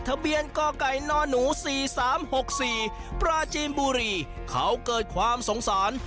ทะเบียนก้อกไก่นอนหนูสี่สามหกสี่ประจีมบุรีเขาเกิดความสงสาร